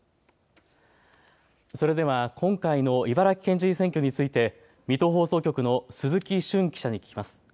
それでは今回の茨城県知事選挙について水戸放送局の鈴木瞬記者に聞きます。